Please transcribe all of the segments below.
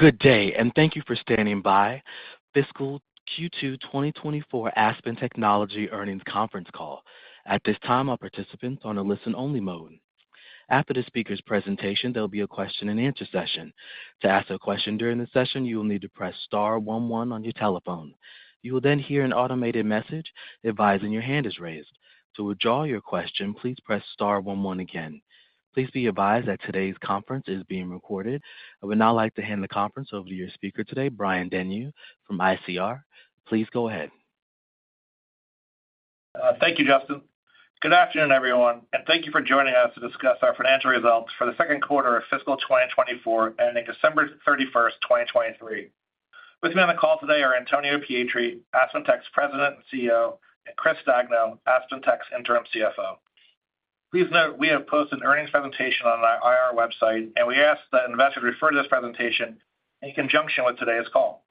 Good day, and thank you for standing by. Fiscal Q2 2024 Aspen Technology Earnings Conference Call. At this time, all participants are on a listen-only mode. After the speaker's presentation, there'll be a question-and-answer session. To ask a question during the session, you will need to press star one one on your telephone. You will then hear an automated message advising your hand is raised. To withdraw your question, please press star one one again. Please be advised that today's conference is being recorded. I would now like to hand the conference over to your speaker today, Brian Denyeau from ICR. Please go ahead. Thank you, Justin. Good afternoon, everyone, and thank you for joining us to discuss our financial results for the second quarter of fiscal 2024, ending December 31, 2023. With me on the call today are Antonio Pietri, AspenTech's President and CEO, and Chris Stagno, AspenTech's Interim CFO. Please note, we have posted an earnings presentation on our IR website, and we ask that investors refer to this presentation in conjunction with today's call.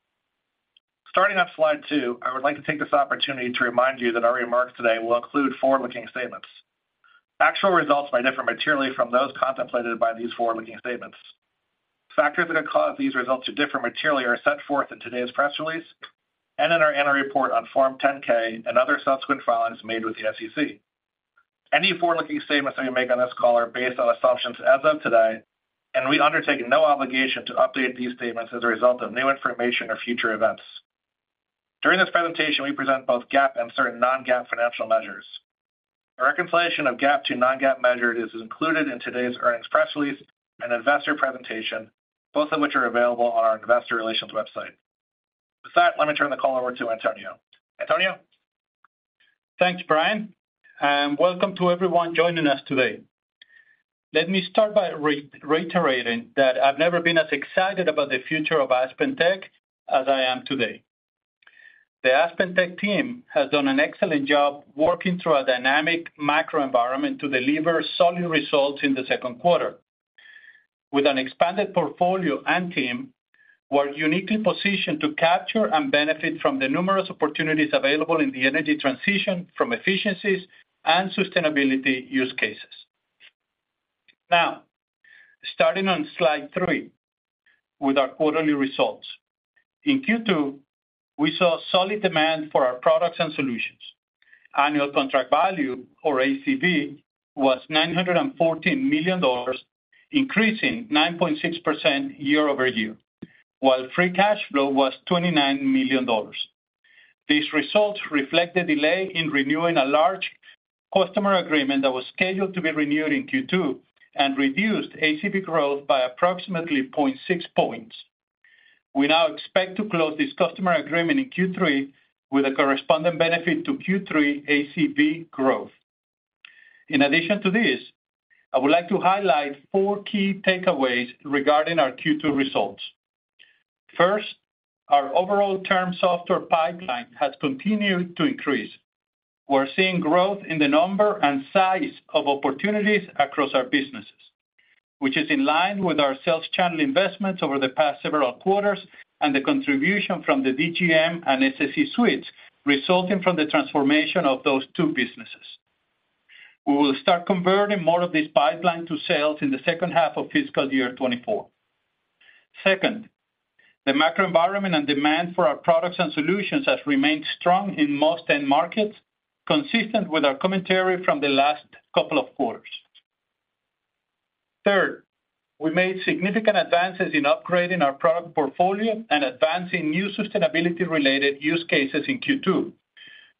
Starting on slide two, I would like to take this opportunity to remind you that our remarks today will include forward-looking statements. Actual results may differ materially from those contemplated by these forward-looking statements. Factors that could cause these results to differ materially are set forth in today's press release and in our annual report on Form 10-K and other subsequent filings made with the SEC. Any forward-looking statements that we make on this call are based on assumptions as of today, and we undertake no obligation to update these statements as a result of new information or future events. During this presentation, we present both GAAP and certain non-GAAP financial measures. A reconciliation of GAAP to non-GAAP measures is included in today's earnings press release and investor presentation, both of which are available on our investor relations website. With that, let me turn the call over to Antonio. Antonio? Thanks, Brian, and welcome to everyone joining us today. Let me start by reiterating that I've never been as excited about the future of AspenTech as I am today. The AspenTech team has done an excellent job working through a dynamic macro environment to deliver solid results in the second quarter. With an expanded portfolio and team, we're uniquely positioned to capture and benefit from the numerous opportunities available in the energy transition from efficiencies and sustainability use cases. Now, starting on slide three with our quarterly results. In Q2, we saw solid demand for our products and solutions. Annual contract value, or ACV, was $914 million, increasing 9.6% year-over-year, while free cash flow was $29 million. These results reflect the delay in renewing a large customer agreement that was scheduled to be renewed in Q2 and reduced ACV growth by approximately 0.6 points. We now expect to close this customer agreement in Q3 with a corresponding benefit to Q3 ACV growth. In addition to this, I would like to highlight four key takeaways regarding our Q2 results. First, our overall term software pipeline has continued to increase. We're seeing growth in the number and size of opportunities across our businesses, which is in line with our sales channel investments over the past several quarters and the contribution from the DGM and SSE suites, resulting from the transformation of those two businesses. We will start converting more of this pipeline to sales in the second half of fiscal year 2024. Second, the macro environment and demand for our products and solutions has remained strong in most end markets, consistent with our commentary from the last couple of quarters. Third, we made significant advances in upgrading our product portfolio and advancing new sustainability-related use cases in Q2.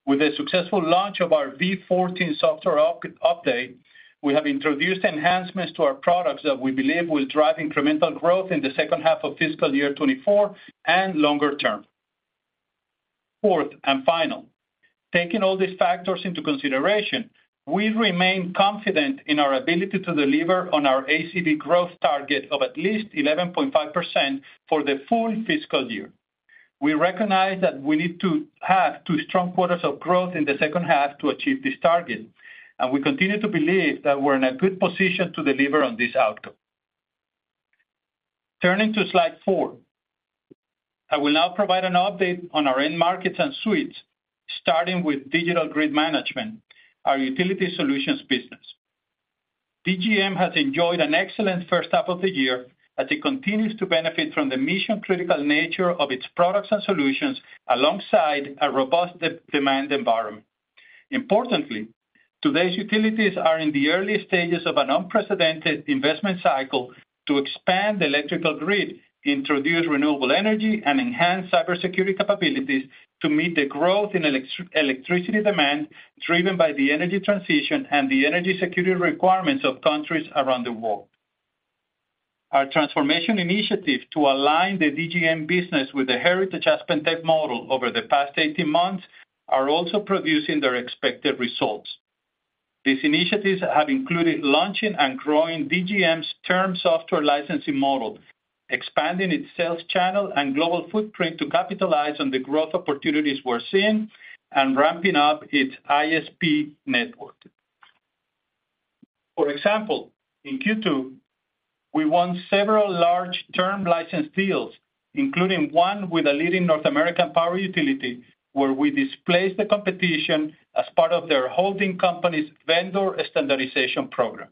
With the successful launch of our V14 software update, we have introduced enhancements to our products that we believe will drive incremental growth in the second half of fiscal year 2024 and longer term. Fourth and final, taking all these factors into consideration, we remain confident in our ability to deliver on our ACV growth target of at least 11.5% for the full fiscal year. We recognize that we need to have two strong quarters of growth in the second half to achieve this target, and we continue to believe that we're in a good position to deliver on this outcome. Turning to slide four, I will now provide an update on our end markets and suites, starting with Digital Grid Management, our utility solutions business. DGM has enjoyed an excellent first half of the year as it continues to benefit from the mission-critical nature of its products and solutions, alongside a robust demand environment. Importantly, today's utilities are in the early stages of an unprecedented investment cycle to expand the electrical grid, introduce renewable energy, and enhance cybersecurity capabilities to meet the growth in electricity demand, driven by the energy transition and the energy security requirements of countries around the world. Our transformation initiative to align the DGM business with the heritage AspenTech model over the past 18 months are also producing their expected results. These initiatives have included launching and growing DGM's term software licensing model, expanding its sales channel and global footprint to capitalize on the growth opportunities we're seeing, and ramping up its ISP network. For example, in Q2, we won several large-term license deals, including one with a leading North American power utility, where we displaced the competition as part of their holding company's vendor standardization program...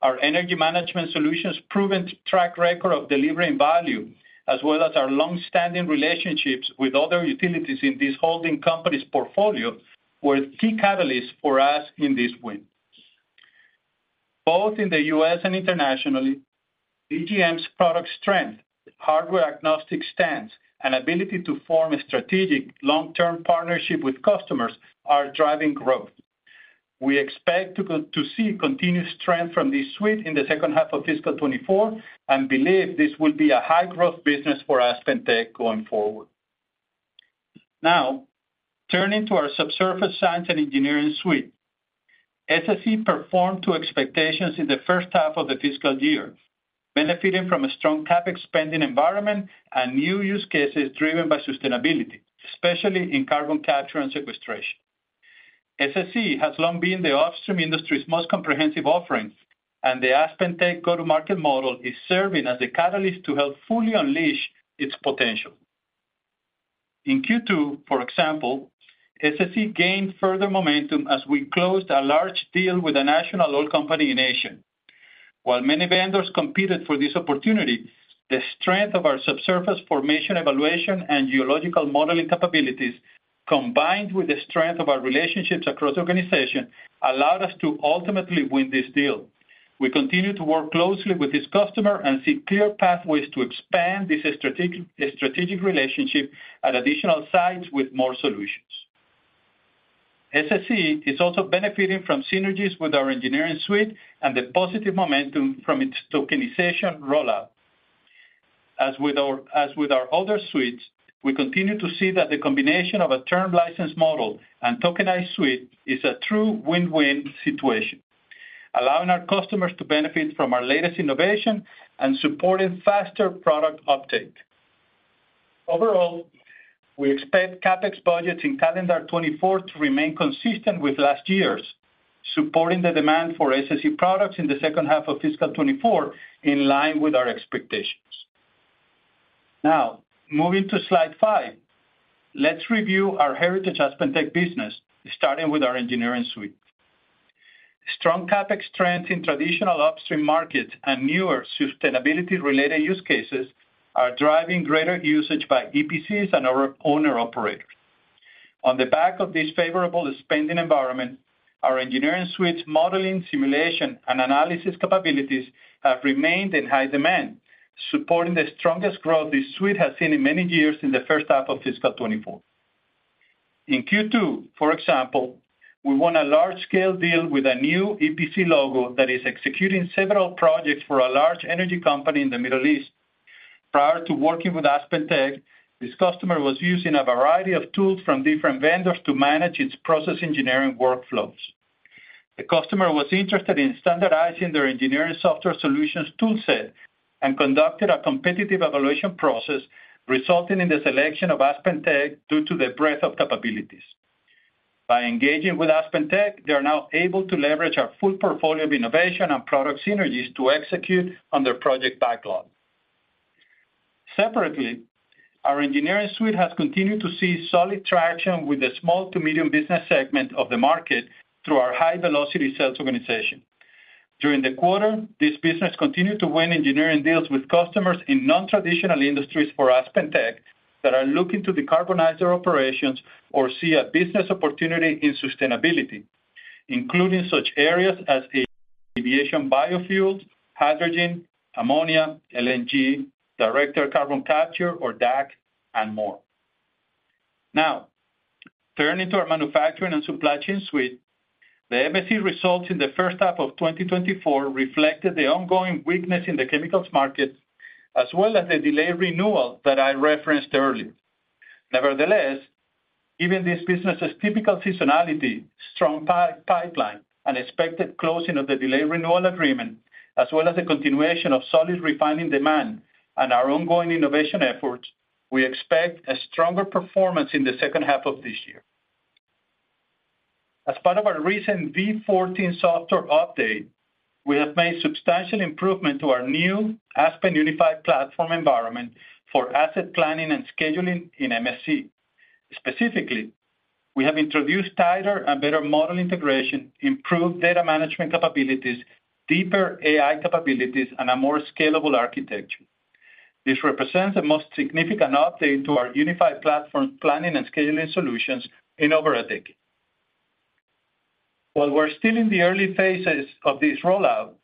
Our energy management solutions' proven track record of delivering value, as well as our long-standing relationships with other utilities in this holding company's portfolio, were key catalysts for us in this win. Both in the U.S. and internationally, DGM's product strength, hardware-agnostic stance, and ability to form a strategic long-term partnership with customers are driving growth. We expect to see continued strength from this suite in the second half of fiscal 2024 and believe this will be a high-growth business for AspenTech going forward. Now, turning to our Subsurface Science and Engineering suite. SSE performed to expectations in the first half of the fiscal year, benefiting from a strong CapEx spending environment and new use cases driven by sustainability, especially in carbon capture and sequestration. SSE has long been the upstream industry's most comprehensive offering, and the AspenTech go-to-market model is serving as a catalyst to help fully unleash its potential. In Q2, for example, SSE gained further momentum as we closed a large deal with a national oil company in Asia. While many vendors competed for this opportunity, the strength of our subsurface formation, evaluation, and geological modeling capabilities, combined with the strength of our relationships across organizations, allowed us to ultimately win this deal. We continue to work closely with this customer and see clear pathways to expand this strategic, strategic relationship at additional sites with more solutions. SSE is also benefiting from synergies with our Engineering Suite and the positive momentum from its tokenization rollout. As with our, as with our other suites, we continue to see that the combination of a term license model and tokenized suite is a true win-win situation, allowing our customers to benefit from our latest innovation and supporting faster product uptake. Overall, we expect CapEx budgets in calendar 2024 to remain consistent with last year's, supporting the demand for SSE products in the second half of fiscal 2024, in line with our expectations. Now, moving to slide five, let's review our heritage AspenTech business, starting with our Engineering Suite. Strong CapEx trends in traditional upstream markets and newer sustainability-related use cases are driving greater usage by EPCs and our owner-operators. On the back of this favorable spending environment, our Engineering Suite's modeling, simulation, and analysis capabilities have remained in high demand, supporting the strongest growth this suite has seen in many years in the first half of fiscal 2024. In Q2, for example, we won a large-scale deal with a new EPC logo that is executing several projects for a large energy company in the Middle East. Prior to working with AspenTech, this customer was using a variety of tools from different vendors to manage its process engineering workflows. The customer was interested in standardizing their engineering software solutions toolset and conducted a competitive evaluation process, resulting in the selection of AspenTech due to the breadth of capabilities. By engaging with AspenTech, they are now able to leverage our full portfolio of innovation and product synergies to execute on their project backlog. Separately, our Engineering Suite has continued to see solid traction with the small to medium business segment of the market through our high-velocity sales organization. During the quarter, this business continued to win engineering deals with customers in non-traditional industries for AspenTech that are looking to decarbonize their operations or see a business opportunity in sustainability, including such areas as aviation biofuels, hydrogen, ammonia, LNG, direct air carbon capture, or DAC, and more. Now, turning to our Manufacturing and Supply Chain suite. The MSC results in the first half of 2024 reflected the ongoing weakness in the chemicals market, as well as the delayed renewal that I referenced earlier. Nevertheless, given this business's typical seasonality, strong pipeline, and expected closing of the delayed renewal agreement, as well as the continuation of solid refining demand and our ongoing innovation efforts, we expect a stronger performance in the second half of this year. As part of our recent V14 software update, we have made substantial improvement to our new Aspen Unified platform environment for asset planning and scheduling in MSC. Specifically, we have introduced tighter and better model integration, improved data management capabilities, deeper AI capabilities, and a more scalable architecture. This represents the most significant update to our unified platform planning and scheduling solutions in over a decade. While we're still in the early phases of this rollout,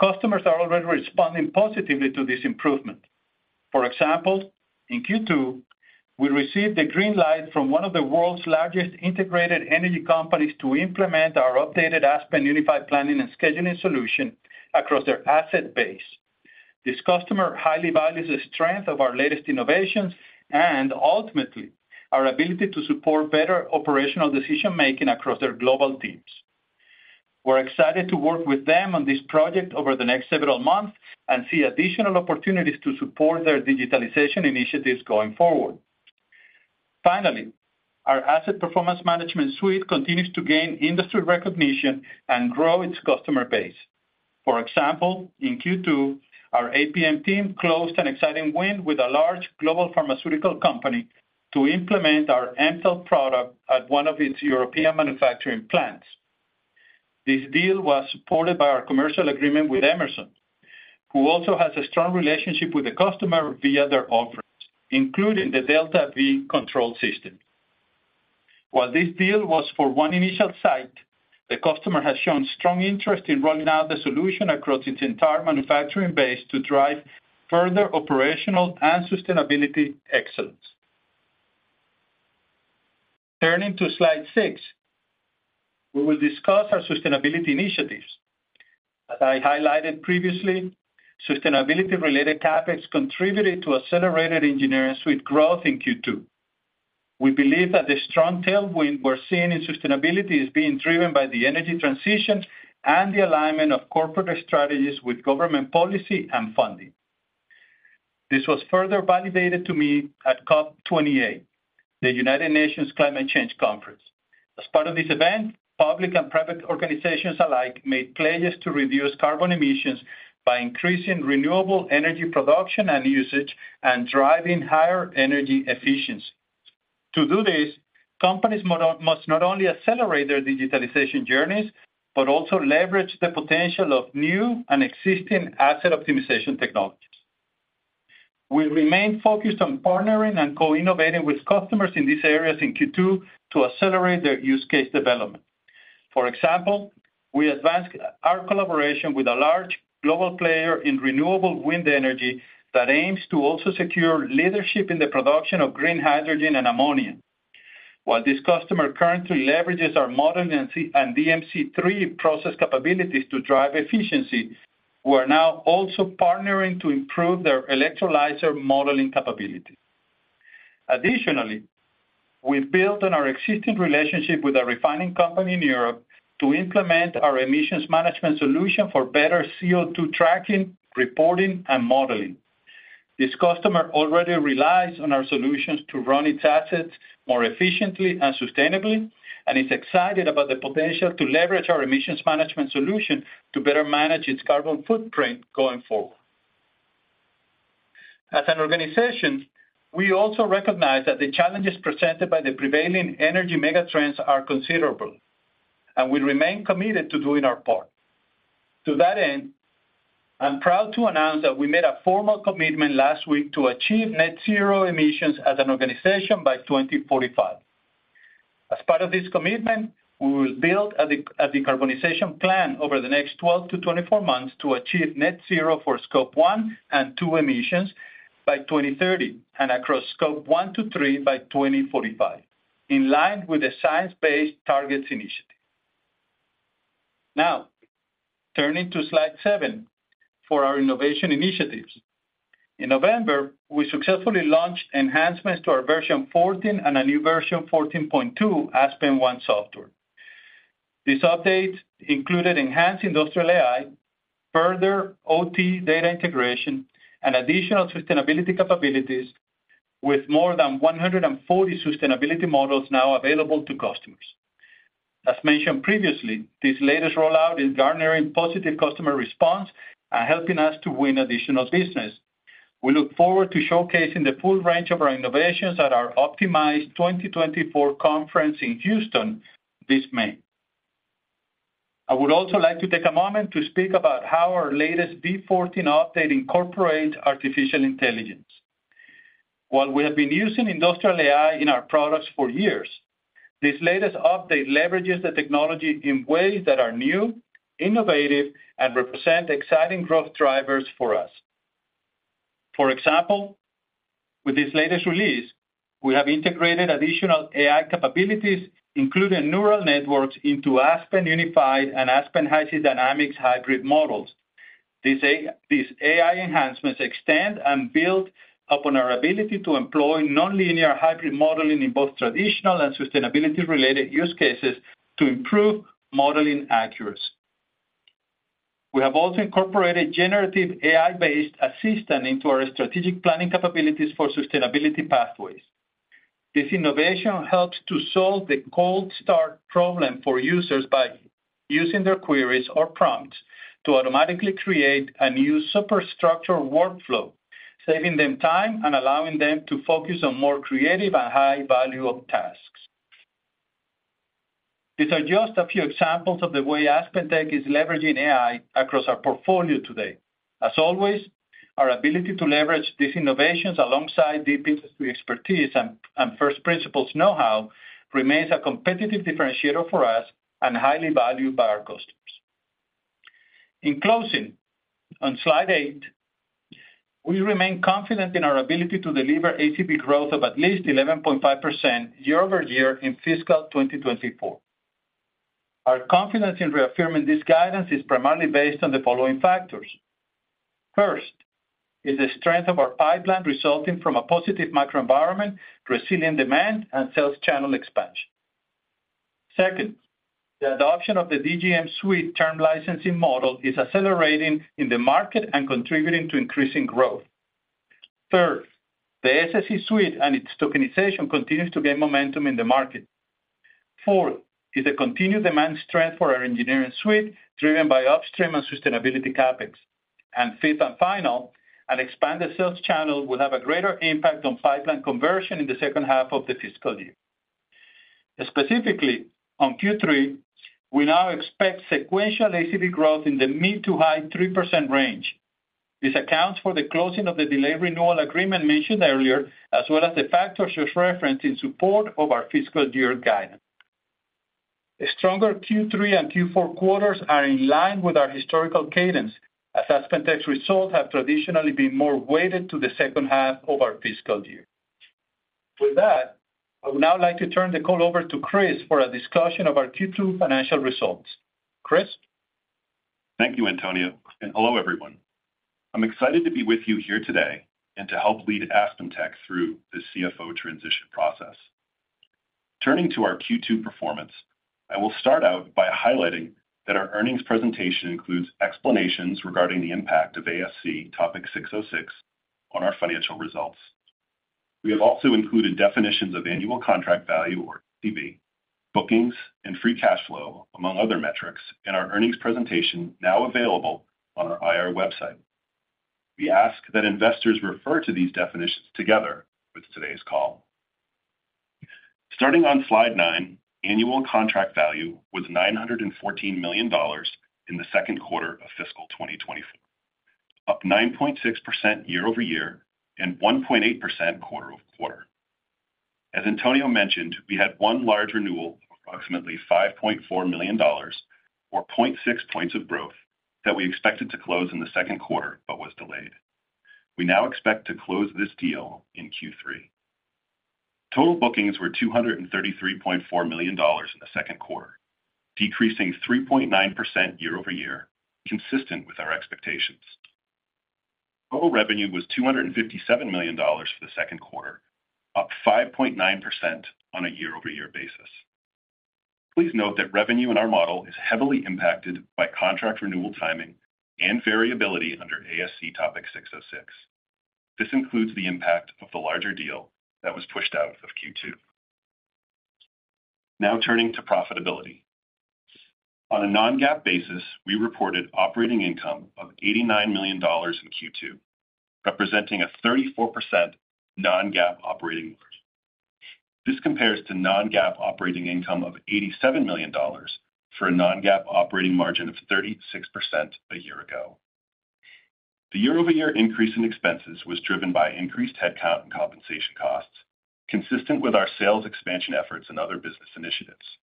customers are already responding positively to this improvement. For example, in Q2, we received the green light from one of the world's largest integrated energy companies to implement our updated Aspen Unified planning and scheduling solution across their asset base. This customer highly values the strength of our latest innovations and ultimately, our ability to support better operational decision-making across their global teams. We're excited to work with them on this project over the next several months and see additional opportunities to support their digitalization initiatives going forward. Finally, our Asset Performance Management suite continues to gain industry recognition and grow its customer base. For example, in Q2, our APM team closed an exciting win with a large global pharmaceutical company to implement our Mtell product at one of its European manufacturing plants. This deal was supported by our commercial agreement with Emerson, who also has a strong relationship with the customer via their offerings, including the DeltaV control system. While this deal was for one initial site, the customer has shown strong interest in rolling out the solution across its entire manufacturing base to drive further operational and sustainability excellence. Turning to slide six, we will discuss our sustainability initiatives. As I highlighted previously, sustainability-related topics contributed to accelerated Engineering Suite growth in Q2. We believe that the strong tailwind we're seeing in sustainability is being driven by the energy transition and the alignment of corporate strategies with government policy and funding. This was further validated to me at COP28, the United Nations Climate Change Conference. As part of this event, public and private organizations alike made pledges to reduce carbon emissions by increasing renewable energy production and usage and driving higher energy efficiency. To do this, companies must not only accelerate their digitalization journeys, but also leverage the potential of new and existing asset optimization technologies. We remain focused on partnering and co-innovating with customers in these areas in Q2 to accelerate their use case development. For example, we advanced our collaboration with a large global player in renewable wind energy that aims to also secure leadership in the production of green hydrogen and ammonia. While this customer currently leverages our modeling and DMC3 process capabilities to drive efficiency, we are now also partnering to improve their electrolyzer modeling capability. Additionally, we've built on our existing relationship with a refining company in Europe to implement our emissions management solution for better CO2 tracking, reporting, and modeling. This customer already relies on our solutions to run its assets more efficiently and sustainably, and is excited about the potential to leverage our emissions management solution to better manage its carbon footprint going forward. As an organization, we also recognize that the challenges presented by the prevailing energy mega trends are considerable, and we remain committed to doing our part. To that end, I'm proud to announce that we made a formal commitment last week to achieve Net Zero emissions as an organization by 2045. As part of this commitment, we will build a decarbonization plan over the next 12-24 months to achieve Net Zero for Scope 1 and 2 emissions by 2030, and across Scope 1-3 by 2045, in line with the Science-Based Targets Initiative. Now, turning to slide seven for our innovation initiatives. In November, we successfully launched enhancements to our V14 and a new V14.2, aspenONE software. These updates included enhanced industrial AI, further OT data integration, and additional sustainability capabilities, with more than 140 sustainability models now available to customers. As mentioned previously, this latest rollout is garnering positive customer response and helping us to win additional business. We look forward to showcasing the full range of our innovations at our OPTIMIZE 2024 conference in Houston this May. I would also like to take a moment to speak about how our latest V14 update incorporates artificial intelligence. While we have been using industrial AI in our products for years, this latest update leverages the technology in ways that are new, innovative, and represent exciting growth drivers for us. For example, with this latest release, we have integrated additional AI capabilities, including neural networks, into Aspen Unified and Aspen HYSYS Dynamics hybrid models. These these AI enhancements extend and build upon our ability to employ nonlinear hybrid modeling in both traditional and sustainability-related use cases to improve modeling accuracy. We have also incorporated generative AI-based assistant into our strategic planning capabilities for sustainability pathways. This innovation helps to solve the cold start problem for users by using their queries or prompts to automatically create a new superstructure workflow, saving them time and allowing them to focus on more creative and high-value tasks. These are just a few examples of the way AspenTech is leveraging AI across our portfolio today. As always, our ability to leverage these innovations alongside deep industry expertise and first principles know-how remains a competitive differentiator for us and highly valued by our customers. In closing, on slide eight, we remain confident in our ability to deliver ACV growth of at least 11.5% year-over-year in fiscal 2024. Our confidence in reaffirming this guidance is primarily based on the following factors. First, is the strength of our pipeline resulting from a positive macro environment, resilient demand, and sales channel expansion. Second, the adoption of the DGM Suite term licensing model is accelerating in the market and contributing to increasing growth. Third, the SSE suite and its tokenization continues to gain momentum in the market. Fourth, is the continued demand strength for our Engineering Suite, driven by upstream and sustainability CapEx. And fifth and final, an expanded sales channel will have a greater impact on pipeline conversion in the second half of the fiscal year. Specifically, on Q3, we now expect sequential ACV growth in the mid- to high-3% range. This accounts for the closing of the delayed renewal agreement mentioned earlier, as well as the factors just referenced in support of our fiscal year guidance. A stronger Q3 and Q4 quarters are in line with our historical cadence, as AspenTech's results have traditionally been more weighted to the second half of our fiscal year. With that, I would now like to turn the call over to Chris for a discussion of our Q2 financial results. Chris? Thank you, Antonio, and hello, everyone. I'm excited to be with you here today and to help lead AspenTech through the CFO transition process. Turning to our Q2 performance, I will start out by highlighting that our earnings presentation includes explanations regarding the impact of ASC Topic 606 on our financial results. We have also included definitions of annual contract value, or ACV, bookings, and free cash flow, among other metrics, in our earnings presentation, now available on our IR website. We ask that investors refer to these definitions together with today's call. Starting on slide 9, annual contract value was $914 million in the second quarter of fiscal 2024, up 9.6% year-over-year and 1.8% quarter-over-quarter. As Antonio mentioned, we had one large renewal, approximately $5.4 million, or 0.6 points of growth, that we expected to close in the second quarter but was delayed. We now expect to close this deal in Q3. Total bookings were $233.4 million in the second quarter, decreasing 3.9% year-over-year, consistent with our expectations. Total revenue was $257 million for the second quarter, up 5.9% on a year-over-year basis. Please note that revenue in our model is heavily impacted by contract renewal timing and variability under ASC Topic 606. This includes the impact of the larger deal that was pushed out of Q2. Now turning to profitability. On a non-GAAP basis, we reported operating income of $89 million in Q2, representing a 34% non-GAAP operating margin. This compares to non-GAAP operating income of $87 million for a non-GAAP operating margin of 36% a year ago. The year-over-year increase in expenses was driven by increased headcount and compensation costs, consistent with our sales expansion efforts and other business initiatives.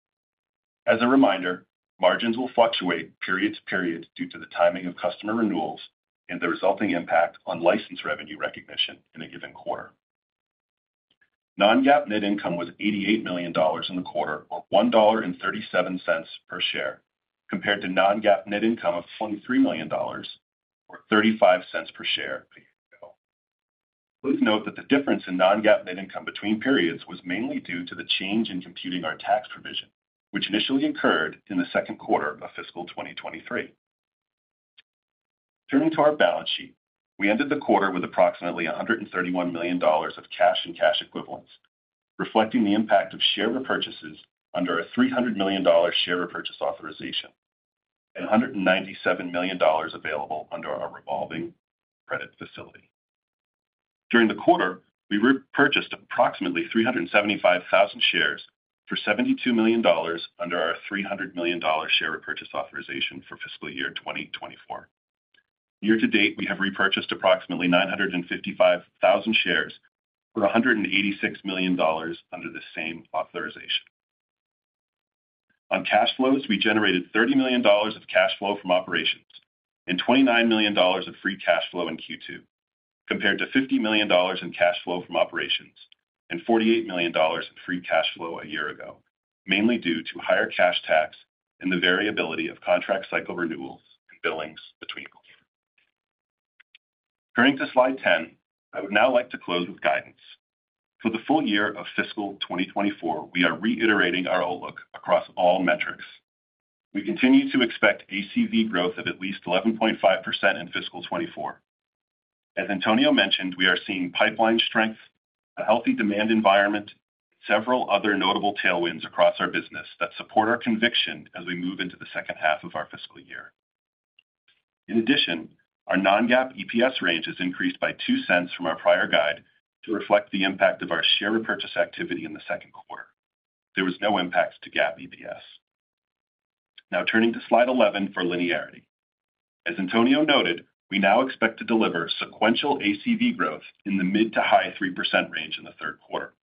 As a reminder, margins will fluctuate period to period due to the timing of customer renewals and the resulting impact on license revenue recognition in a given quarter. Non-GAAP net income was $88 million in the quarter, or $1.37 per share, compared to non-GAAP net income of $23 million, or $0.35 per share a year ago. Please note that the difference in non-GAAP net income between periods was mainly due to the change in computing our tax provision, which initially occurred in the second quarter of fiscal 2023. Turning to our balance sheet, we ended the quarter with approximately $131 million of cash and cash equivalents, reflecting the impact of share repurchases under a $300 million share repurchase authorization and $197 million available under our revolving credit facility. During the quarter, we repurchased approximately 375,000 shares for $72 million under our $300 million share repurchase authorization for fiscal year 2024. Year to date, we have repurchased approximately 955,000 shares for $186 million under the same authorization. On cash flows, we generated $30 million of cash flow from operations and $29 million of free cash flow in Q2, compared to $50 million in cash flow from operations and $48 million in free cash flow a year ago, mainly due to higher cash tax and the variability of contract cycle renewals and billings between quarters. Turning to slide 10, I would now like to close with guidance. For the full year of fiscal 2024, we are reiterating our outlook across all metrics. We continue to expect ACV growth of at least 11.5% in fiscal 2024. As Antonio mentioned, we are seeing pipeline strength, a healthy demand environment, several other notable tailwinds across our business that support our conviction as we move into the second half of our fiscal year. In addition, our non-GAAP EPS range has increased by $0.02 from our prior guide to reflect the impact of our share repurchase activity in the second quarter. There was no impacts to GAAP EPS. Now turning to slide 11 for linearity. As Antonio noted, we now expect to deliver sequential ACV growth in the mid- to high-3% range in the third quarter.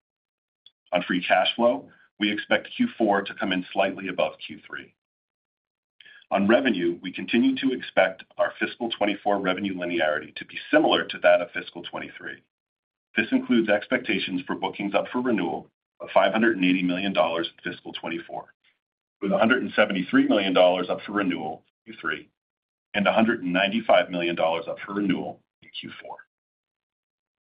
On free cash flow, we expect Q4 to come in slightly above Q3. On revenue, we continue to expect our fiscal 2024 revenue linearity to be similar to that of fiscal 2023. This includes expectations for bookings up for renewal of $580 million in fiscal 2024, with $173 million up for renewal in Q3, and $195 million up for renewal in Q4.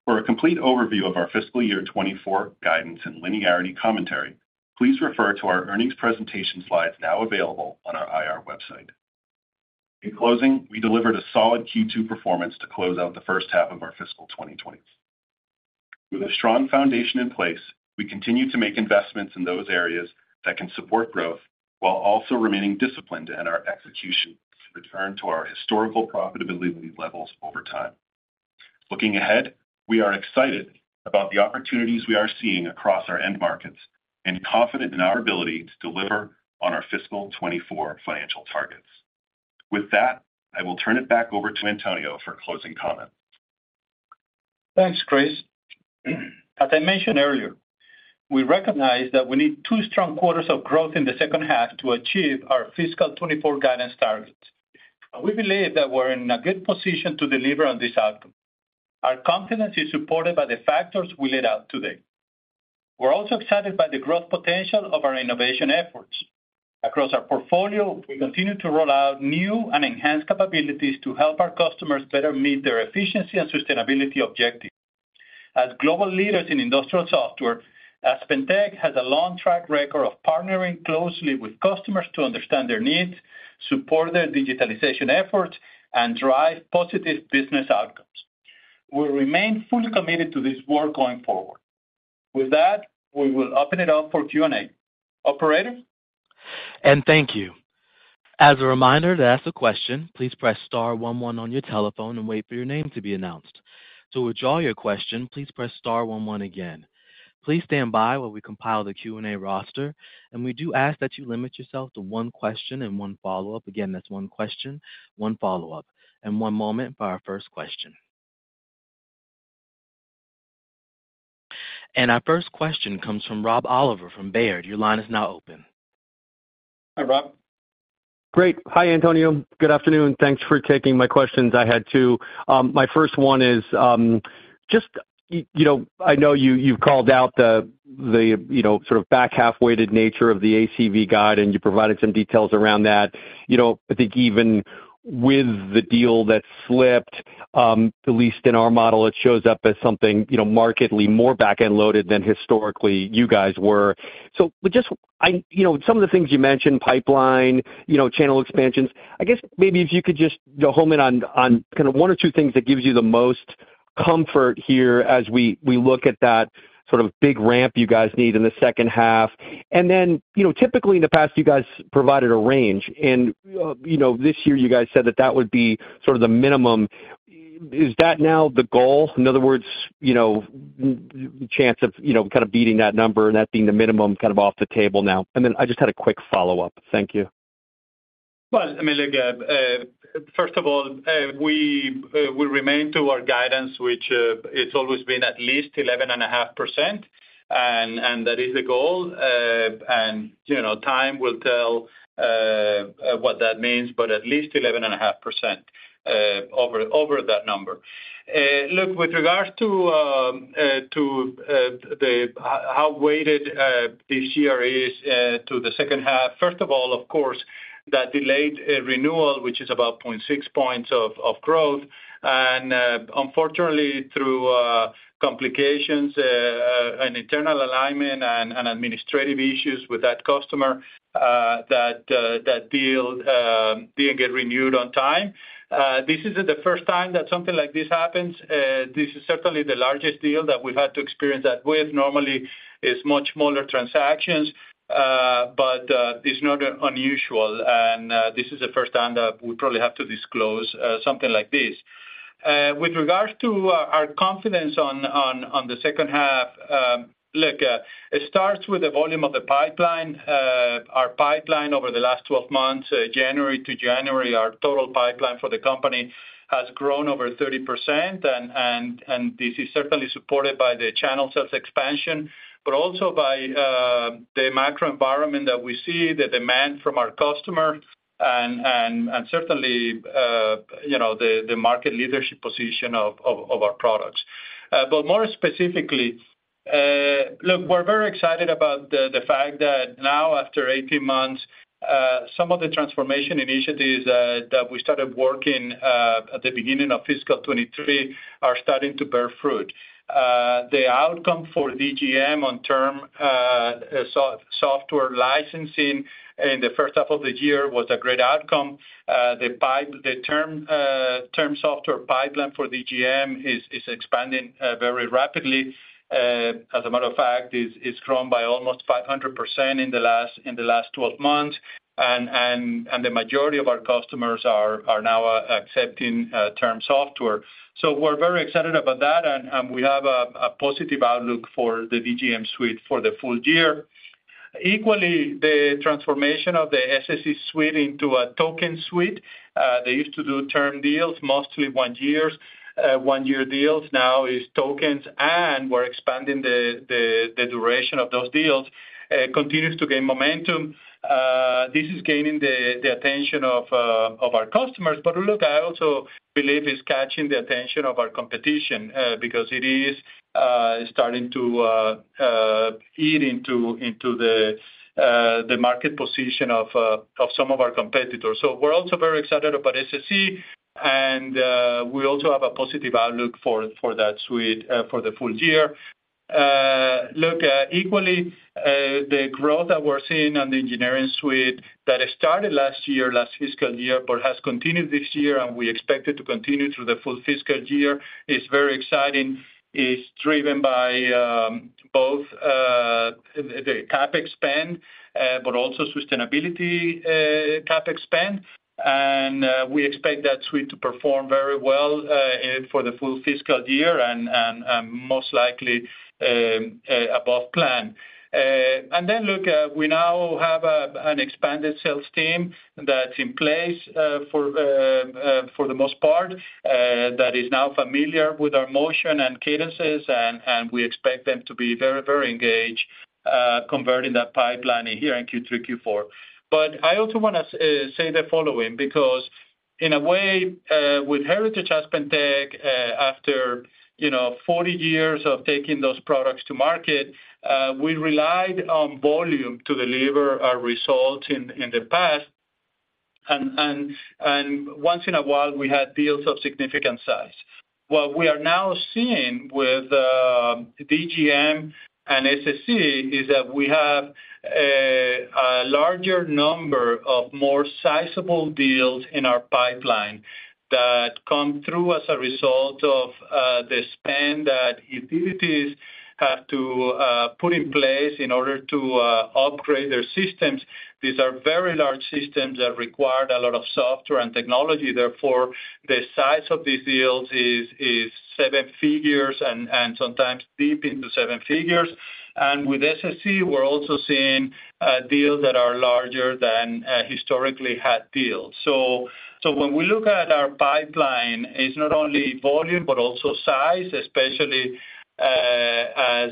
For a complete overview of our fiscal year 2024 guidance and linearity commentary, please refer to our earnings presentation slides now available on our IR website. In closing, we delivered a solid Q2 performance to close out the first half of our fiscal 2024. With a strong foundation in place, we continue to make investments in those areas that can support growth, while also remaining disciplined in our execution to return to our historical profitability levels over time. Looking ahead, we are excited about the opportunities we are seeing across our end markets and confident in our ability to deliver on our fiscal 2024 financial targets. With that, I will turn it back over to Antonio for closing comments. Thanks, Chris. As I mentioned earlier, we recognize that we need two strong quarters of growth in the second half to achieve our fiscal 2024 guidance targets. And we believe that we're in a good position to deliver on this outcome. Our confidence is supported by the factors we laid out today. We're also excited by the growth potential of our innovation efforts. Across our portfolio, we continue to roll out new and enhanced capabilities to help our customers better meet their efficiency and sustainability objectives. As global leaders in industrial software, AspenTech has a long track record of partnering closely with customers to understand their needs, support their digitalization efforts, and drive positive business outcomes. We remain fully committed to this work going forward. With that, we will open it up for Q&A. Operator? Thank you. As a reminder, to ask a question, please press star one one on your telephone and wait for your name to be announced. To withdraw your question, please press star one one again. Please stand by while we compile the Q&A roster, and we do ask that you limit yourself to one question and one follow-up. Again, that's one question, one follow-up, and one moment for our first question. Our first question comes from Rob Oliver from Baird. Your line is now open. Hi, Rob. Great. Hi, Antonio. Good afternoon. Thanks for taking my questions. I had two. My first one is, just, you know, I know you, you've called out the, you know, sort of back half-weighted nature of the ACV guide, and you provided some details around that. You know, I think even with the deal that slipped, at least in our model, it shows up as something, you know, markedly more back-end loaded than historically you guys were. So but just, you know, some of the things you mentioned, pipeline, you know, channel expansions, I guess maybe if you could just home in on, on kind of one or two things that gives you the most comfort here as we, we look at that sort of big ramp you guys need in the second half. And then, you know, typically in the past, you guys provided a range, and, you know, this year you guys said that that would be sort of the minimum. Is that now the goal? In other words, you know, chance of, you know, kind of beating that number and that being the minimum kind of off the table now. And then I just had a quick follow-up. Thank you. Well, I mean, look, first of all, we remain to our guidance, which it's always been at least 11.5%, and that is the goal. And, you know, time will tell what that means, but at least 11.5%, over that number. Look, with regards to the how weighted this year is to the second half, first of all, of course, that delayed renewal, which is about 0.6 points of growth, and unfortunately, through complications and internal alignment and administrative issues with that customer, that deal didn't get renewed on time. This isn't the first time that something like this happens. This is certainly the largest deal that we've had to experience that with. Normally, it's much smaller transactions, but it's not unusual, and this is the first time that we probably have to disclose something like this. With regards to our confidence on the second half, look, it starts with the volume of the pipeline. Our pipeline over the last 12 months, January to January, our total pipeline for the company has grown over 30%, and this is certainly supported by the channel sales expansion, but also by the macro environment that we see, the demand from our customer and certainly you know the market leadership position of our products. But more specifically, look, we're very excited about the fact that now, after 18 months, some of the transformation initiatives that we started working at the beginning of fiscal 2023 are starting to bear fruit. The outcome for DGM on term software licensing in the first half of the year was a great outcome. The term software pipeline for DGM is expanding very rapidly. As a matter of fact, it's grown by almost 500% in the last 12 months, and the majority of our customers are now accepting term software. So we're very excited about that, and we have a positive outlook for the DGM suite for the full year. Equally, the transformation of the SSE suite into a token suite. They used to do term deals, mostly one-year deals. Now it's tokens, and we're expanding the duration of those deals. It continues to gain momentum. This is gaining the attention of our customers. But look, I also believe it's catching the attention of our competition because it is starting to eat into the market position of some of our competitors. So we're also very excited about SSE, and we also have a positive outlook for that suite for the full year. Look, equally, the growth that we're seeing on the Engineering Suite that started last year, last fiscal year, but has continued this year, and we expect it to continue through the full fiscal year, is very exciting. It's driven by both the CapEx spend, but also sustainability CapEx spend. We expect that suite to perform very well for the full fiscal year and most likely above plan. And then, look, we now have an expanded sales team that's in place, for the most part, that is now familiar with our motion and cadences, and we expect them to be very, very engaged converting that pipeline here in Q3, Q4. But I also wanna say the following, because in a way, with heritage AspenTech, after you know 40 years of taking those products to market, we relied on volume to deliver our results in the past. And once in a while, we had deals of significant size. What we are now seeing with DGM and SSE is that we have a larger number of more sizable deals in our pipeline that come through as a result of the spend that utilities have to put in place in order to upgrade their systems. These are very large systems that require a lot of software and technology. Therefore, the size of these deals is seven figures and sometimes deep into seven figures. And with SSE, we're also seeing deals that are larger than historically had deals. So when we look at our pipeline, it's not only volume, but also size, especially as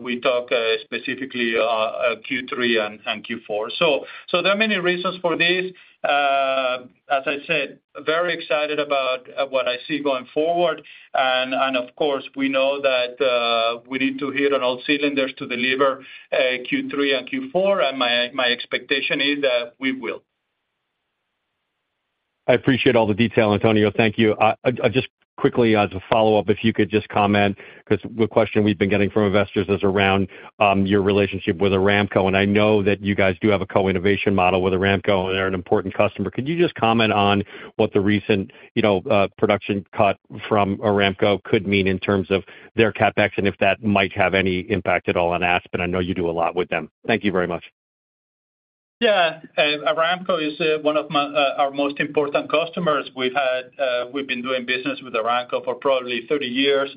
we talk specifically Q3 and Q4. So there are many reasons for this. As I said, very excited about what I see going forward. And, of course, we know that we need to hit on all cylinders to deliver Q3 and Q4, and my expectation is that we will. I appreciate all the detail, Antonio. Thank you. I just quickly as a follow-up, if you could just comment, because the question we've been getting from investors is around your relationship with Aramco, and I know that you guys do have a co-innovation model with Aramco, and they're an important customer. Could you just comment on what the recent, you know, production cut from Aramco could mean in terms of their CapEx, and if that might have any impact at all on Aspen? I know you do a lot with them. Thank you very much. Yeah. Aramco is one of our most important customers. We've had, we've been doing business with Aramco for probably 30 years.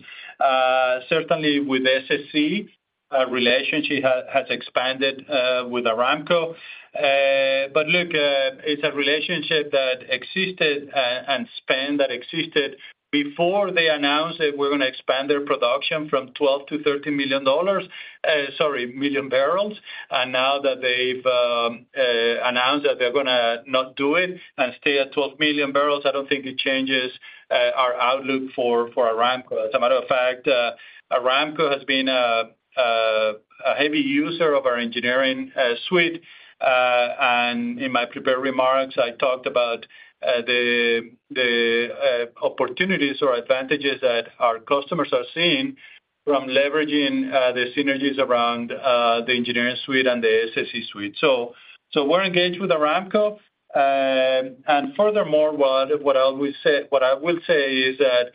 Certainly with SSE, our relationship has expanded with Aramco. But look, it's a relationship that existed, and spend that existed before they announced that we're gonna expand their production from $12 million–$13 million, sorry, million barrels. And now that they've announced that they're gonna not do it and stay at 12 MMbbl, I don't think it changes our outlook for Aramco. As a matter of fact, Aramco has been a heavy user of our Engineering Suite. In my prepared remarks, I talked about the opportunities or advantages that our customers are seeing from leveraging the synergies around the Engineering Suite and the SSE suite. So, we're engaged with Aramco. And furthermore, what I will say is that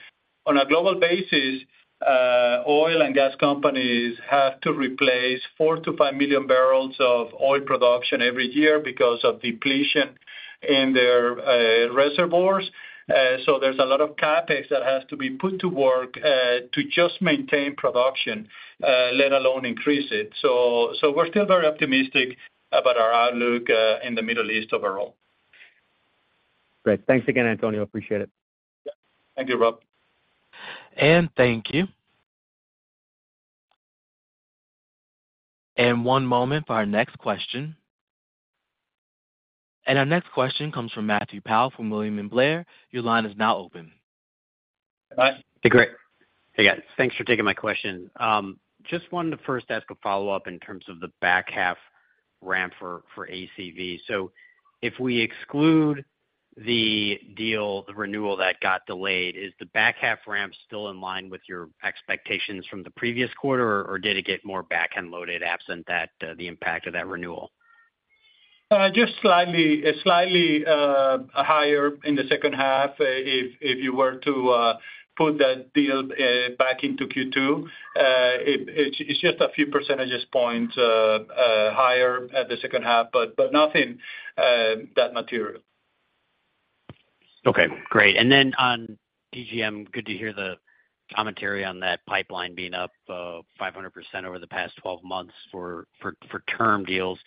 on a global basis, oil and gas companies have to replace 4 MMbbl-5 MMbbl of oil production every year because of depletion in their reservoirs. So, there's a lot of CapEx that has to be put to work to just maintain production, let alone increase it. So, we're still very optimistic about our outlook in the Middle East overall. Great. Thanks again, Antonio. Appreciate it. Thank you, Rob. Thank you. One moment for our next question. Our next question comes from Matthew Pfau from William Blair. Your line is now open. Hi. Hey, great. Hey, guys, thanks for taking my question. Just wanted to first ask a follow-up in terms of the back half ramp for ACV. So if we exclude the deal, the renewal that got delayed, is the back half ramp still in line with your expectations from the previous quarter, or did it get more back-end loaded absent that, the impact of that renewal? Just slightly higher in the second half. If you were to put that deal back into Q2, it's just a few percentage points higher at the second half, but nothing that material. Okay, great. Then on DGM, good to hear the commentary on that pipeline being up 500% over the past 12 months for term deals.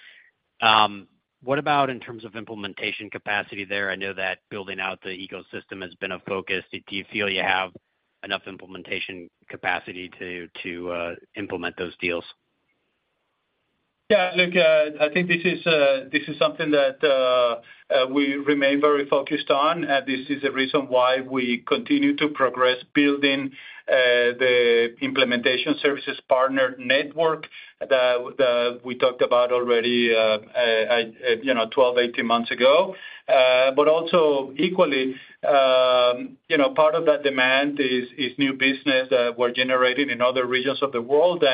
What about in terms of implementation capacity there? I know that building out the ecosystem has been a focus. Do you feel you have enough implementation capacity to implement those deals? Yeah, look, I think this is something that we remain very focused on. This is the reason why we continue to progress building the implementation services partner network that we talked about already, you know, 12, 18 months ago. But also equally, you know, part of that demand is new business we're generating in other regions of the world,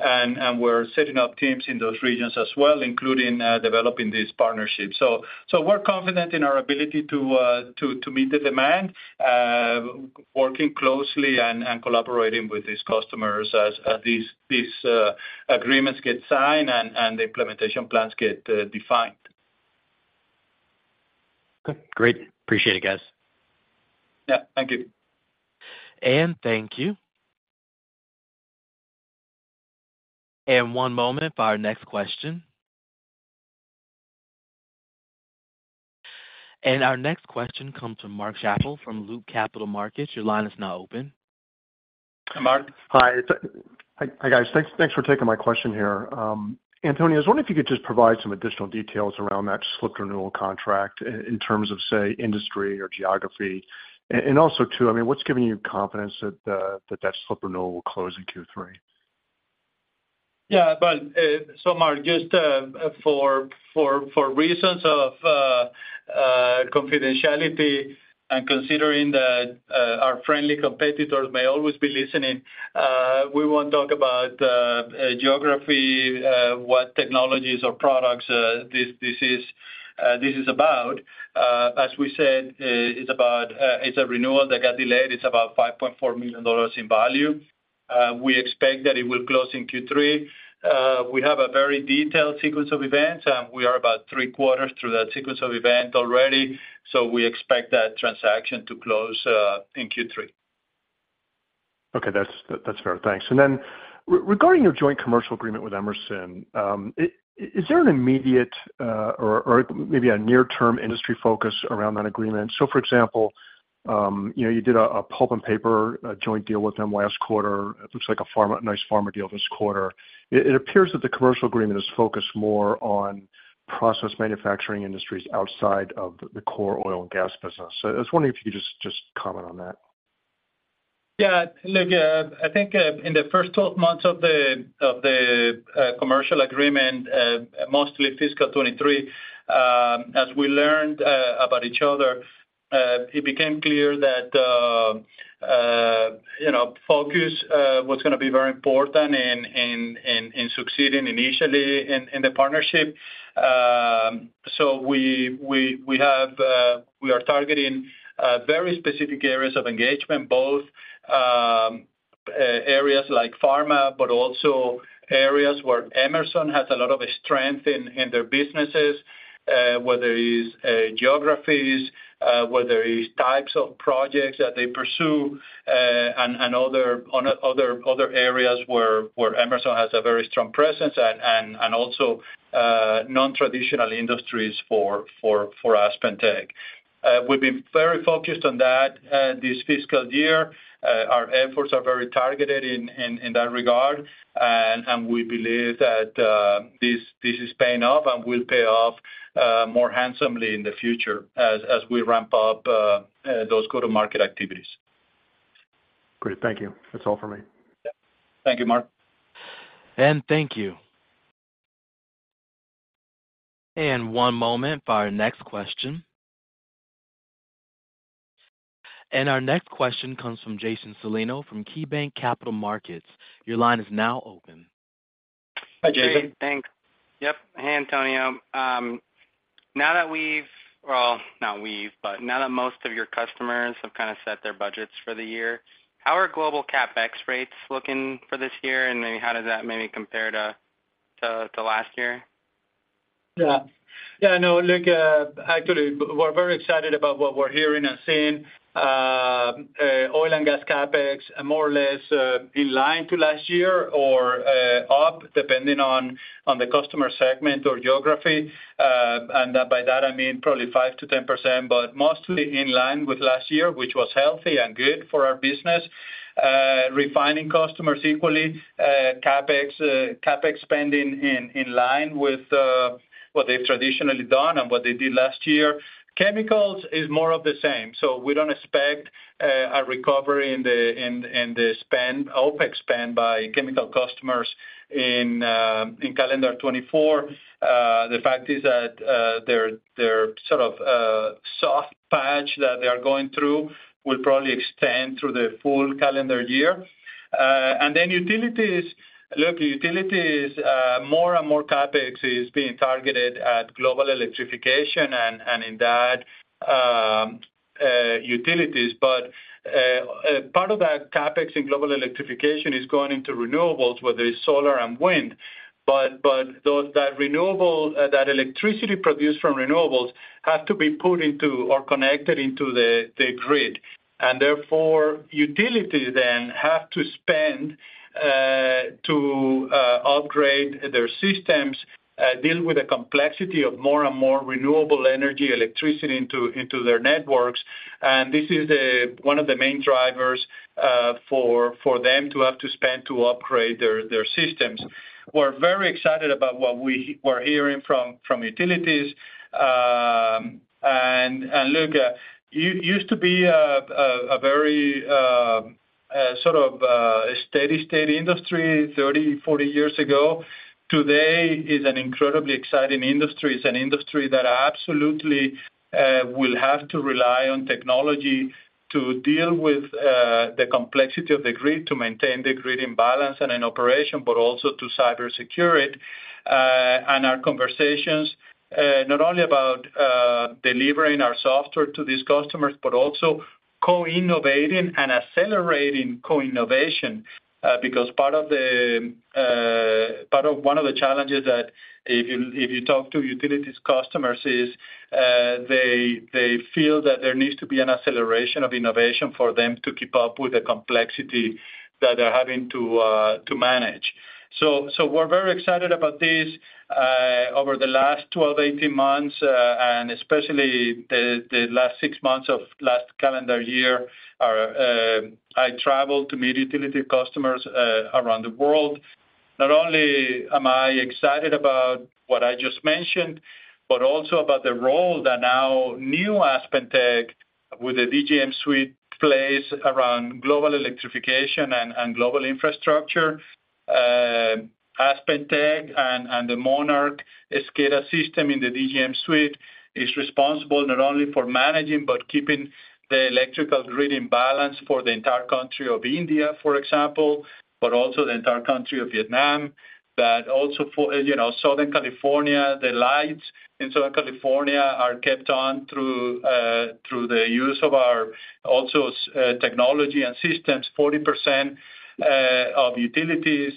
and we're setting up teams in those regions as well, including developing these partnerships. So we're confident in our ability to meet the demand, working closely and collaborating with these customers as these agreements get signed and the implementation plans get defined. Great. Appreciate it, guys. Yeah. Thank you. Thank you. One moment for our next question. Our next question comes from Mark Schappel from Loop Capital Markets. Your line is now open. Hi, Mark. Hi. Hi, guys, thanks, thanks for taking my question here. Antonio, I was wondering if you could just provide some additional details around that slipped renewal contract in terms of, say, industry or geography. And also, too, I mean, what's giving you confidence that that slipped renewal will close in Q3? Yeah, but so Mark, just for reasons of confidentiality and considering that our friendly competitors may always be listening, we won't talk about geography, what technologies or products this is about. As we said, it's about, it's a renewal that got delayed. It's about $5.4 million in value. We expect that it will close in Q3. We have a very detailed sequence of events, and we are about three quarters through that sequence of event already, so we expect that transaction to close in Q3. Okay. That's, that's fair. Thanks. And then regarding your joint commercial agreement with Emerson, is there an immediate, or maybe a near-term industry focus around that agreement? So for example, you know, you did a pulp and paper joint deal with them last quarter. It looks like a nice pharma deal this quarter. It appears that the commercial agreement is focused more on process manufacturing industries outside of the core oil and gas business. So I was wondering if you could just comment on that. Yeah, look, I think in the first 12 months of the commercial agreement, mostly fiscal 2023, as we learned about each other, it became clear that you know focus was gonna be very important in succeeding initially in the partnership. So we are targeting very specific areas of engagement, both areas like pharma, but also areas where Emerson has a lot of strength in their businesses, whether it is geographies, whether it is types of projects that they pursue, and other areas where Emerson has a very strong presence and also nontraditional industries for AspenTech. We've been very focused on that this fiscal year. Our efforts are very targeted in that regard. And we believe that this is paying off and will pay off more handsomely in the future as we ramp up those go-to-market activities. Great. Thank you. That's all for me. Thank you, Mark. Thank you. One moment for our next question. Our next question comes from Jason Celino from KeyBanc Capital Markets. Your line is now open. Hi, Jason. Thanks. Yep. Hey, Antonio. Now that we've—Well, not we've, but now that most of your customers have kinda set their budgets for the year, how are global CapEx rates looking for this year, and then how does that maybe compare to, to last year? Yeah. Yeah, I know. Look, actually, we're very excited about what we're hearing and seeing. Oil and gas CapEx are more or less in line to last year or up, depending on the customer segment or geography. And by that, I mean, probably 5%-10%, but mostly in line with last year, which was healthy and good for our business. Refining customers equally CapEx spending in line with what they've traditionally done and what they did last year. Chemicals is more of the same, so we don't expect a recovery in the OpEx spend by chemical customers in calendar 2024. The fact is that their sort of soft patch that they are going through will probably extend through the full calendar year. And then utilities, look, utilities, more and more CapEx is being targeted at global electrification and, and in that, utilities. But part of that CapEx in global electrification is going into renewables, whether it's solar and wind. But that renewable, that electricity produced from renewables has to be put into or connected into the grid, and therefore, utilities then have to spend to upgrade their systems, deal with the complexity of more and more renewable energy electricity into their networks. And this is one of the main drivers for them to have to spend to upgrade their systems. We're very excited about what we're hearing from utilities. And look, used to be a very—sort of a steady-state industry 30, 40 years ago, today is an incredibly exciting industry. It's an industry that absolutely will have to rely on technology to deal with the complexity of the grid, to maintain the grid in balance and in operation, but also to cyber secure it. And our conversations not only about delivering our software to these customers, but also co-innovating and accelerating co-innovation, because part of the part of one of the challenges that if you talk to utilities customers is, they feel that there needs to be an acceleration of innovation for them to keep up with the complexity that they're having to to manage. So we're very excited about this. Over the last 12, 18 months, and especially the last 6 months of last calendar year, I traveled to meet utility customers around the world. Not only am I excited about what I just mentioned, but also about the role that our new AspenTech, with the DGM suite, plays around global electrification and global infrastructure. AspenTech and the Monarch SCADA system in the DGM suite is responsible not only for managing, but keeping the electrical grid in balance for the entire country of India, for example, but also the entire country of Vietnam, that also for, you know, Southern California, the lights in Southern California are kept on through the use of our also technology and systems. 40% of utilities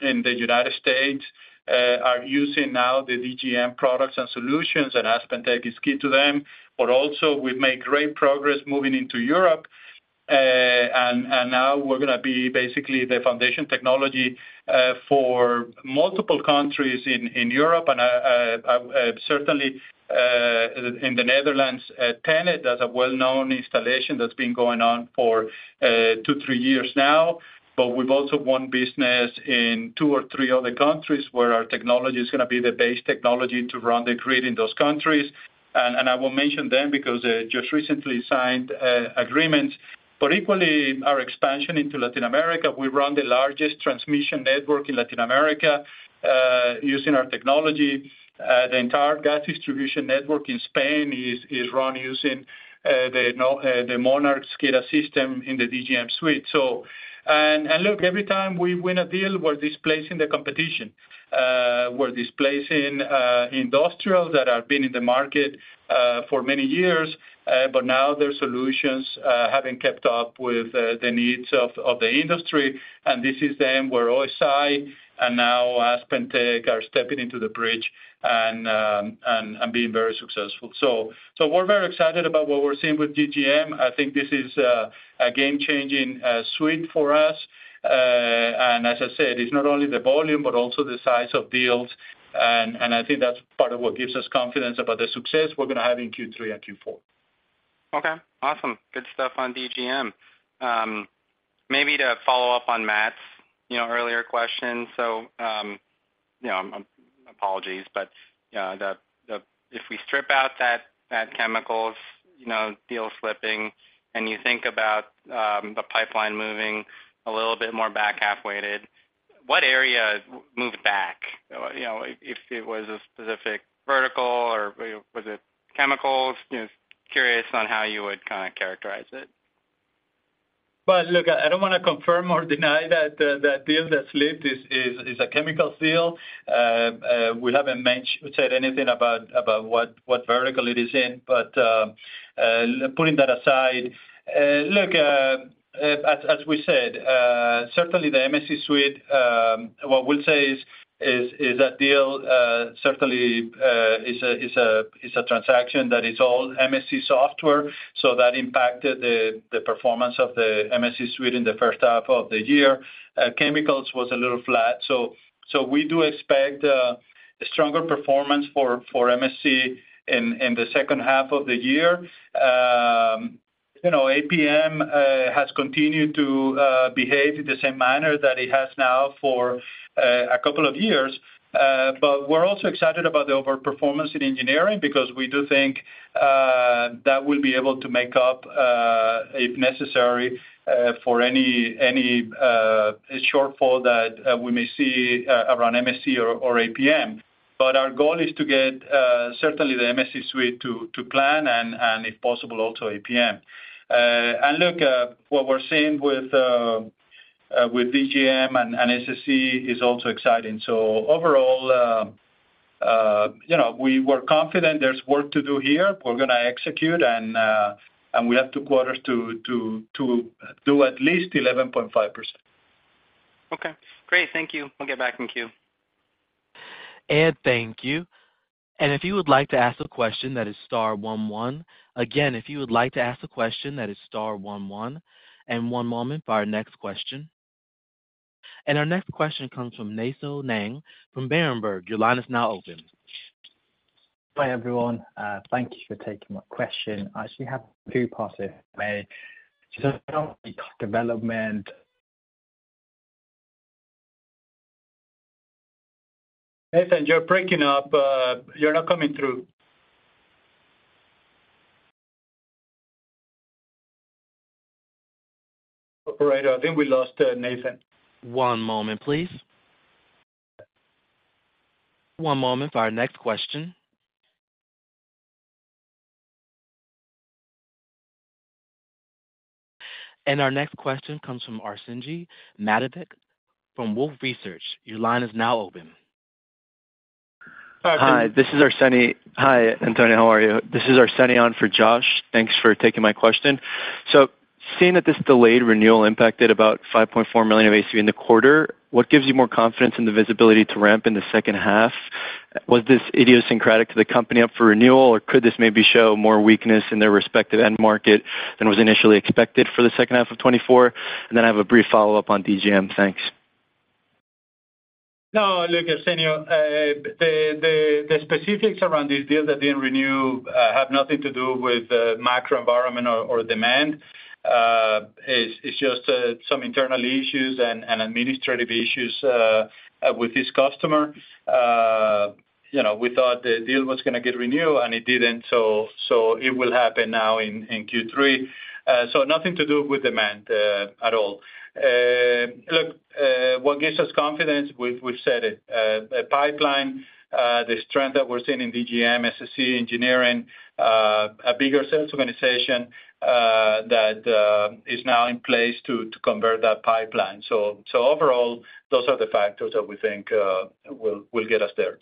in the United States are using now the DGM products and solutions, and AspenTech is key to them. But also we've made great progress moving into Europe, and now we're gonna be basically the foundation technology for multiple countries in Europe, and certainly in the Netherlands. TenneT, that's a well-known installation that's been going on for two to three years now. But we've also won business in two or three other countries, where our technology is gonna be the base technology to run the grid in those countries. And I won't mention them because they just recently signed agreements. But equally, our expansion into Latin America, we run the largest transmission network in Latin America using our technology. The entire gas distribution network in Spain is run using the Monarch SCADA system in the DGM suite. Look, every time we win a deal, we're displacing the competition. We're displacing industrials that have been in the market for many years, but now their solutions haven't kept up with the needs of the industry. And this is them, where OSI and now AspenTech are stepping into the bridge and being very successful. We're very excited about what we're seeing with DGM. I think this is a game-changing suite for us. And as I said, it's not only the volume, but also the size of deals. I think that's part of what gives us confidence about the success we're gonna have in Q3 and Q4. Okay, awesome. Good stuff on DGM. Maybe to follow up on Matt's, you know, earlier question. So, you know, apologies, but, the if we strip out that chemicals, you know, deal slipping, and you think about, the pipeline moving a little bit more back half-weighted, what area moved back? You know, if it was a specific vertical, or was it chemicals? You know, curious on how you would kinda characterize it. Well, look, I don't want to confirm or deny that, that deal that slipped is a chemical deal. We haven't said anything about what vertical it is in. But, putting that aside, look, as we said, certainly the MSC suite, what we'll say is that deal certainly is a transaction that is all MSC software, so that impacted the performance of the MSC suite in the first half of the year. Chemicals was a little flat, so we do expect a stronger performance for MSC in the second half of the year. You know, APM has continued to behave in the same manner that it has now for a couple of years. But we're also excited about the overperformance in engineering, because we do think that we'll be able to make up, if necessary, for any shortfall that we may see around MSC or APM. But our goal is to get certainly the MSC suite to plan, and if possible, also APM. And look, what we're seeing with DGM and SSE is also exciting. So overall, you know, we're confident there's work to do here. We're gonna execute and we have 2 quarters to do at least 11.5%. Okay, great. Thank you. I'll get back in queue. And thank you. And if you would like to ask a question, that is star one one. Again, if you would like to ask a question, that is star one one. And one moment for our next question. And our next question comes from Nay Soe Naing from Berenberg. Your line is now open. Hi, everyone. Thank you for taking my question. I actually have two parts, if I may. So development- Nay Soe, you're breaking up. You're not coming through. Operator, I think we lost Nay Soe. One moment, please. One moment for our next question. Our next question comes from Arsenije Matovic from Wolfe Research. Your line is now open. Hi, this is Arsenije. Hi, Antonio. How are you? This is Arsenije on for Josh. Thanks for taking my question. So seeing that this delayed renewal impacted about $5.4 million of ACV in the quarter, what gives you more confidence in the visibility to ramp in the second half? Was this idiosyncratic to the company up for renewal, or could this maybe show more weakness in their respective end market than was initially expected for the second half of 2024? And then I have a brief follow-up on DGM. Thanks. No, look, Arsenije, the specifics around this deal that didn't renew have nothing to do with the macro environment or demand. It's just some internal issues and administrative issues with this customer. You know, we thought the deal was gonna get renewed, and it didn't, so it will happen now in Q3. So nothing to do with demand at all. Look, what gives us confidence, we've said it, a pipeline, the strength that we're seeing in DGM, SSE, engineering, a bigger sales organization that is now in place to convert that pipeline. So overall, those are the factors that we think will get us there.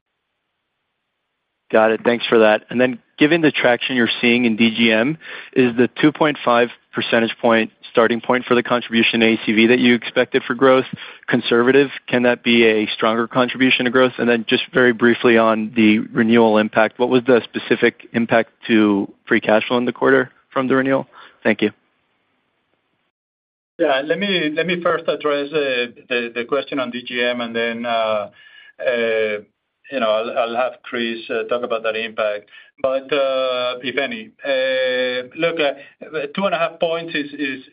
Got it. Thanks for that. And then given the traction you're seeing in DGM, is the 2.5 percentage point starting point for the contribution ACV that you expected for growth conservative? Can that be a stronger contribution to growth? And then just very briefly on the renewal impact, what was the specific impact to free cash flow in the quarter from the renewal? Thank you. Yeah, let me first address the question on DGM, and then, you know, I'll have Chris talk about that impact, but if any. Look, 2.5 points is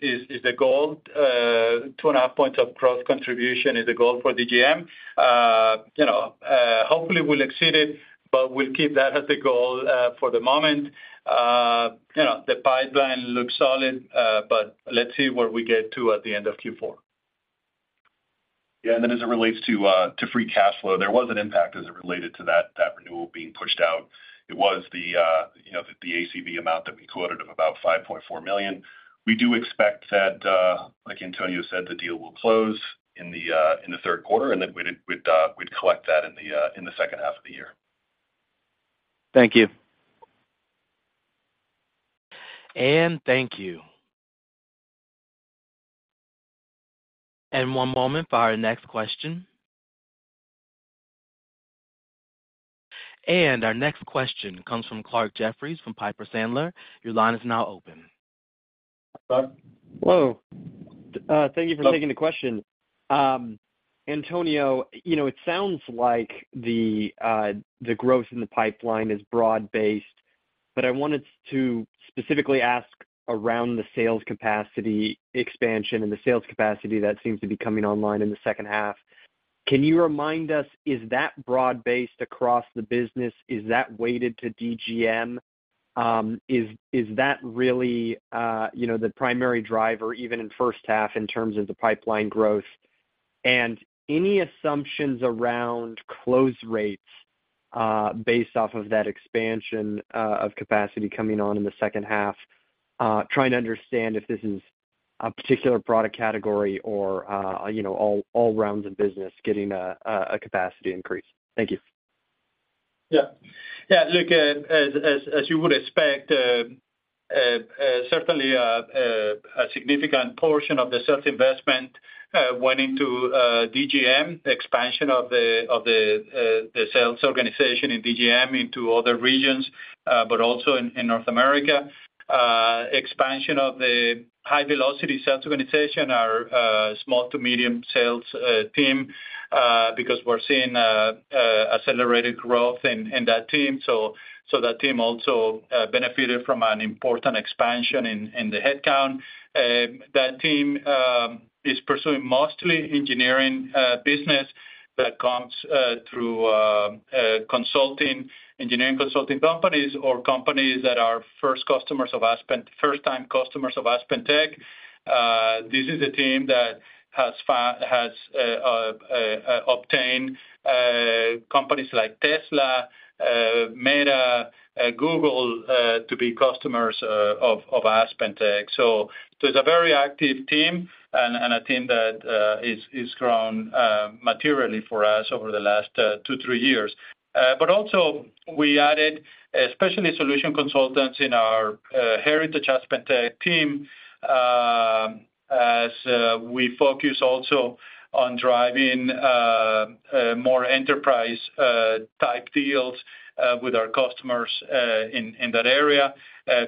the goal. 2.5 points of growth contribution is the goal for DGM. You know, hopefully we'll exceed it, but we'll keep that as the goal, for the moment. You know, the pipeline looks solid, but let's see where we get to at the end of Q4. Yeah, and then as it relates to free cash flow, there was an impact as it related to that renewal being pushed out. It was the, you know, the ACV amount that we quoted of about $5.4 million. We do expect that, like Antonio said, the deal will close in the third quarter, and then we'd collect that in the second half of the year. Thank you. Thank you. One moment for our next question. Our next question comes from Clarke Jeffries from Piper Sandler. Your line is now open. Clarke? Hello. Thank you for taking the question. Antonio, you know, it sounds like the growth in the pipeline is broad-based, but I wanted to specifically ask around the sales capacity expansion and the sales capacity that seems to be coming online in the second half. Can you remind us, is that broad-based across the business? Is that weighted to DGM? Is that really, you know, the primary driver, even in first half, in terms of the pipeline growth? And any assumptions around close rates based off of that expansion of capacity coming on in the second half, trying to understand if this is a particular product category or, you know, all rounds of business getting a capacity increase. Thank you. Yeah. Yeah, look, as you would expect, certainly a significant portion of the sales investment went into DGM, expansion of the sales organization in DGM into other regions, but also in North America. Expansion of the high-velocity sales organization, our small to medium sales team, because we're seeing accelerated growth in that team. So that team also benefited from an important expansion in the headcount. That team is pursuing mostly engineering business that comes through consulting, engineering consulting companies or companies that are first customers of Aspen—first-time customers of AspenTech. This is a team that has obtained companies like Tesla, Meta, Google to be customers of AspenTech. So it's a very active team and a team that is grown materially for us over the last two-three years. But also we added, especially solution consultants in our heritage AspenTech team, as we focus also on driving more enterprise-type deals with our customers in that area.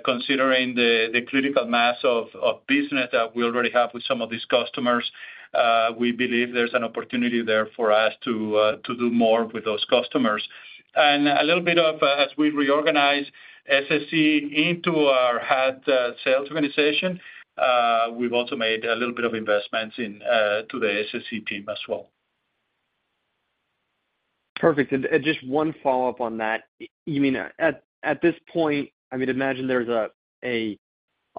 Considering the critical mass of business that we already have with some of these customers, we believe there's an opportunity there for us to do more with those customers. And a little bit, as we reorganize SSE into our head sales organization, we've also made a little bit of investments into the SSE team as well. Perfect. Just one follow-up on that. You mean, at this point, I mean, imagine there's a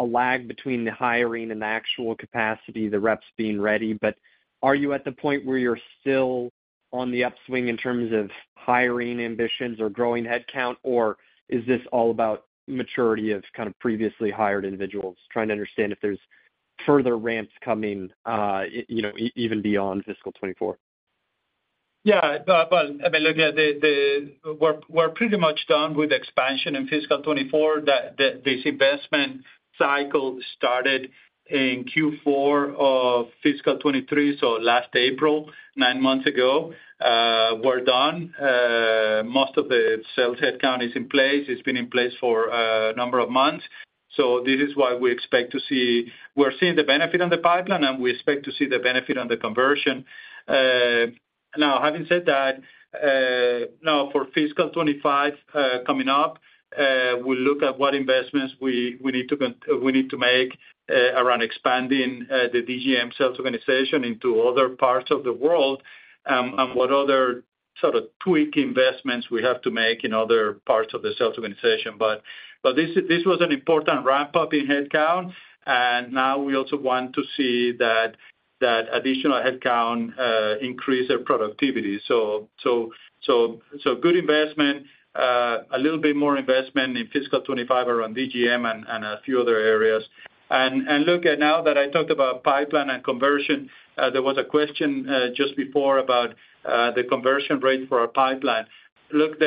lag between the hiring and the actual capacity, the reps being ready, but are you at the point where you're still on the upswing in terms of hiring ambitions or growing headcount? Or is this all about maturity of kind of previously hired individuals? Trying to understand if there's further ramps coming, you know, even beyond fiscal 2024. Yeah, but I mean, look, yeah. We're pretty much done with expansion in fiscal 2024. That, this investment cycle started in Q4 of fiscal 2023, so last April, nine months ago. We're done. Most of the sales headcount is in place. It's been in place for a number of months, so this is why we expect to see—we're seeing the benefit on the pipeline, and we expect to see the benefit on the conversion. Now, having said that, now for fiscal 2025, coming up, we look at what investments we need to make around expanding the DGM sales organization into other parts of the world, and what other sort of tweak investments we have to make in other parts of the sales organization. This was an important ramp-up in headcount, and now we also want to see that additional headcount increase their productivity. Good investment, a little bit more investment in fiscal 2025 around DGM and a few other areas. Look, now that I talked about pipeline and conversion, there was a question just before about the conversion rate for our pipeline. Look,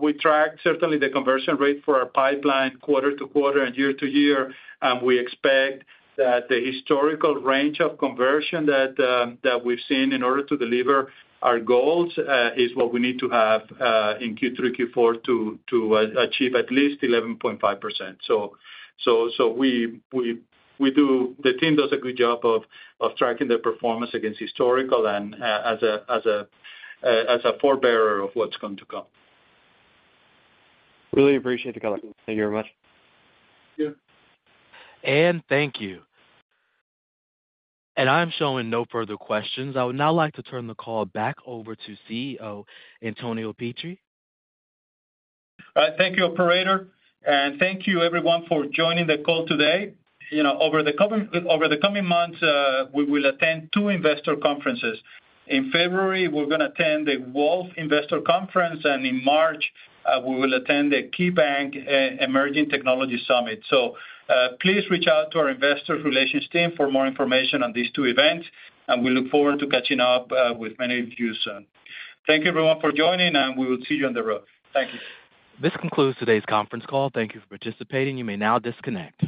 we track certainly the conversion rate for our pipeline quarter to quarter and year to year. And we expect that the historical range of conversion that we've seen in order to deliver our goals is what we need to have in Q3, Q4 to achieve at least 11.5%. So we do—the team does a good job of tracking their performance against historical and as a forerunner of what's going to come. Really appreciate the color. Thank you very much. Yeah. Thank you. I'm showing no further questions. I would now like to turn the call back over to CEO, Antonio Pietri. All right. Thank you, operator, and thank you everyone for joining the call today. You know, over the coming, over the coming months, we will attend two investor conferences. In February, we're gonna attend the Wolfe Investor Conference, and in March, we will attend a KeyBanc Emerging Technology Summit. So, please reach out to our investor relations team for more information on these two events, and we look forward to catching up with many of you soon. Thank you everyone for joining, and we will see you on the road. Thank you. This concludes today's conference call. Thank you for participating. You may now disconnect.